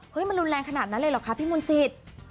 มันรุนแรงขนาดนั้นเลยเหรอคะพี่มนต์สิทธิ์